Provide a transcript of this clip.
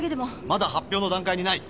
まだ発表の段階にない。